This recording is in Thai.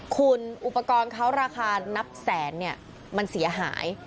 คุณอุปกรณ์เขาราคานับแสนเนี่ยมันเสียหาย